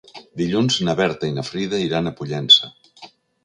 Dilluns na Berta i na Frida iran a Pollença.